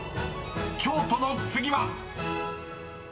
［「京都」の次は］